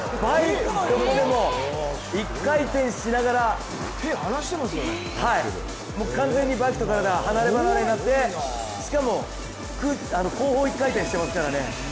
１回転しながら、完全にバイクと体離ればなれになってしかも後方一回転してますからね。